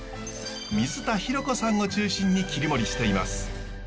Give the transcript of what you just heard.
水田弘子さんを中心に切り盛りしています。